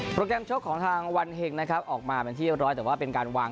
แกรมชกของทางวันเห็งนะครับออกมาเป็นที่เรียบร้อยแต่ว่าเป็นการวาง